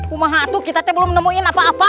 umah hatu kita belum menemuin apa apa